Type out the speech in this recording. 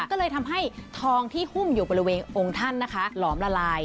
ก็เลยทำให้ทองที่หุ้มอยู่บริเวณองค์ท่านนะคะหลอมละลาย